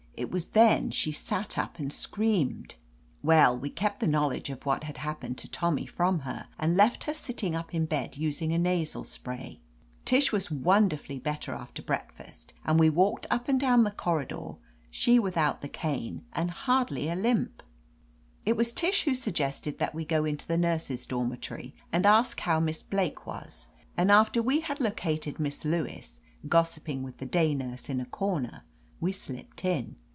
It was then she sat up and screamed. Well, we kept the knowledge of what had happened to Tommy from her, and left her sitting up in bed using a nasal spray. Tish was wonderfully better after breakfast, and we 80 OF LETITIA CARBERRY walked up and down the corridor, she without the cane and hardly a limp. It was Tish who suggested that we go into the nurses' dormitory and ask how Miss Blake was, and after we had located Miss Lewis, gossiping with the day nurse in a corner, we slipped in.